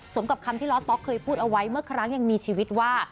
กับคำที่ล้อต๊อกเคยพูดเอาไว้เมื่อครั้งยังมีชีวิตว่า